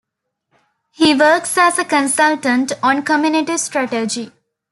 He works as a consultant on community strategy.